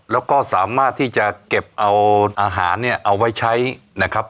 แล้วก็สามารถที่จะเก็บเอาอาหารเนี่ยเอาไว้ใช้นะครับ